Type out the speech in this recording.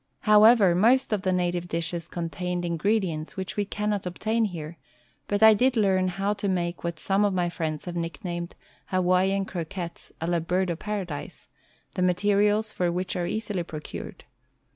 However, most of the native dishes contained ingredients which we cannot ob tain here, but I did learn how to make what some of my friends have nick named Hawaiian Croquettes a la "Bird of Paradise," the materials for which are easily pro cured.